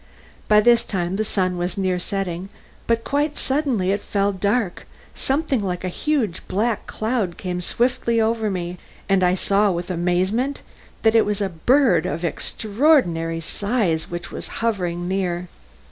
By this time the sun was near setting, but quite suddenly it fell dark, something like a huge black cloud came swiftly over me, and I saw with amazement that it was a bird of extraordinary size which was hovering near.